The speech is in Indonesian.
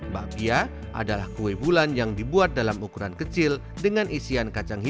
bakpia adalah kue bulan yang dibuat dalam ukuran kecil dengan isian kacang hijau dan kacang merah